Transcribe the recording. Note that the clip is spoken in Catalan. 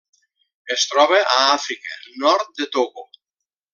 Es troba a Àfrica: nord de Togo.